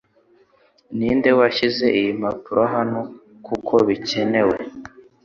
Ninde washyize iyi mpapuro hano kuko bikenewe